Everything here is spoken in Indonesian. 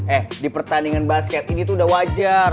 eh di pertandingan basket ini tuh udah wajar